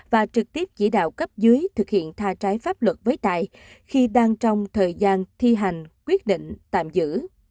và trực tiếp chỉ đạo cấp dưới thực hiện tha trái pháp luật với tài khi đang trong thời gian thi hành quyết định tạm giữ